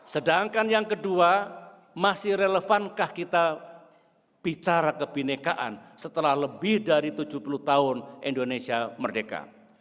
sedangkan yang kedua masih relevankah kita bicara kebinekaan setelah lebih dari tujuh puluh tahun indonesia merdeka